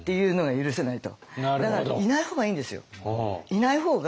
だからいない方がいいんですよ。